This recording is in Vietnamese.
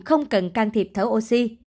không cần can thiệp thở oxy